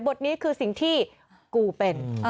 บทนี้คือสิ่งที่กูเป็น